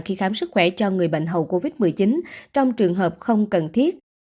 khi khám sức khỏe cho người bệnh hầu covid một mươi chín trong trường hợp không cần thiết